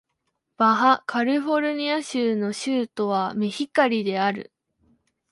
バハ・カリフォルニア州の州都はメヒカリである